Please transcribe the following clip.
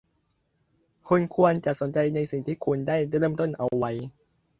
คุณควรจะสนใจในสิ่งที่คุณได้เริ่มต้นเอาไว้